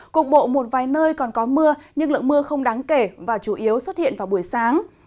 cục bộ một vài nơi còn có mưa nhưng lượng mưa không đáng kể và chủ yếu xuất hiện vào buổi sáng